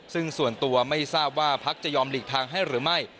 ซึ่งส่วนตัวไม่ทราบว่าพักจะยอมหลีกทางให้หรือไม่